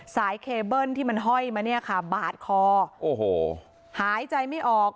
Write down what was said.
สายเคเบิ้ลที่มันห้อยมาเนี่ยค่ะบาดคอโอ้โหหายใจไม่ออก